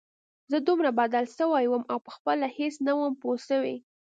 زه دومره بدل سوى وم او پخپله هېڅ نه وم پوه سوى.